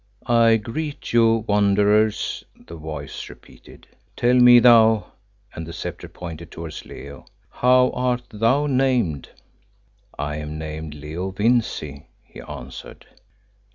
"I greet you, Wanderers," the voice repeated. "Tell me thou" and the sceptre pointed towards Leo "how art thou named?" "I am named Leo Vincey," he answered.